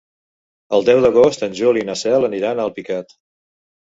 El deu d'agost en Juli i na Cel aniran a Alpicat.